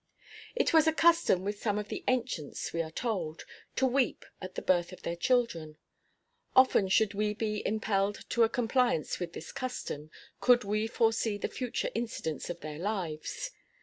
It was a custom with some of the ancients, we are told, to weep at the birth of their children. Often should we be impelled to a compliance with this custom, could we foresee the future incidents of their lives.